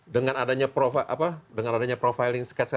dengan adanya profiling